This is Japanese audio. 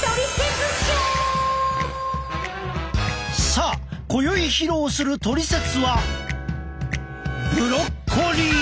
さあ今宵披露するトリセツはブロッコリー！